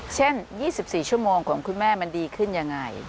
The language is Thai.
เช่น๒๔ชั่วโมงของคุณแม่มันดีขึ้นยังไง